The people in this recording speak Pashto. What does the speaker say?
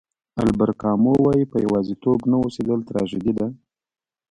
البر کامو وایي په یوازېتوب نه اوسېدل تراژیدي ده.